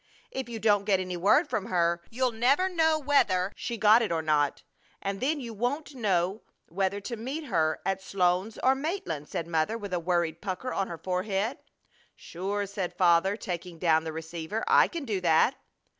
If you don't get any word from her you'll never know whether she got it or not, and then you won't know whether to meet her at Sloan's or Maitland," said Mother, with a worried pucker on her forehead. "Sure!" said Father, taking down the receiver. "I can do that."